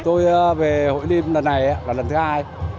tôi về hội lim lần này là lần thứ hai